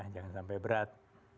jangan sampai berat